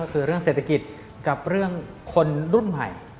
ก็คือเรื่องเศรษฐกิจกับเรื่องคนรุ่นใหม่